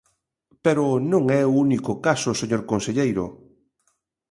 Pero non é o único caso, señor conselleiro.